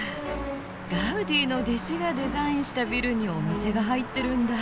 ガウディの弟子がデザインしたビルにお店が入ってるんだ。